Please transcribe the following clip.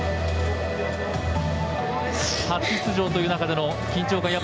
初出場という中での緊張感